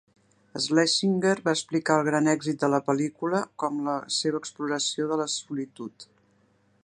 Schlesinger va explicar el gran èxit de la pel·lícula com la seva exploració de la solitud.